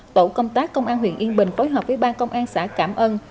tổ công tác công an huyện yên bình phối hợp với ba công an xã cảm ơn